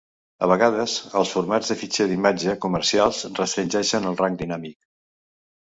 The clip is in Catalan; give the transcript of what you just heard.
A vegades, els formats de fitxer d'imatge comercials restringeixen el rang dinàmic.